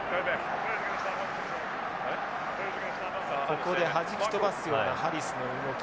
ここではじき飛ばすようなハリスの動き。